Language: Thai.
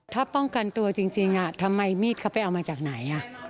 ถ้าป้องกันตัวจริงทำไมมีดเขาไปเอามาจากไหน